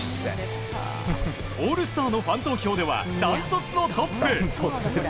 オールスターのファン投票ではダントツのトップ。